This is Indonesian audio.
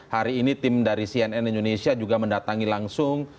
hari ini tim dari cnn indonesia juga mendatangi langsung